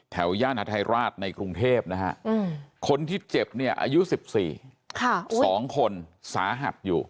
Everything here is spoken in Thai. แถวย่านอาทาราชในกรุงเทพฯคนที่เจ็บอายุ๑๔สองคนสาหัสอยู่